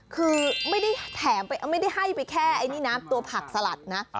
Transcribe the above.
คือไม่ได้แถมไม่ได้ให้ไปแค่ไอ้นี่นะตัวผักสลัดนะ